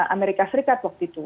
amerika serikat waktu itu